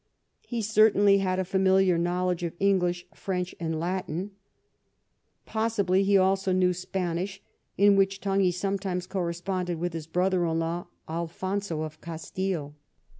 He certainly had a familiar knowledge of English, French, and Latin. Possibly he also knew Spanish, in which tongue he sometimes corresponded with his brother in law Alfonso of Castile.